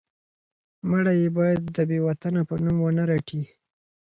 مړی یې باید د بې وطنه په نوم ونه رټي.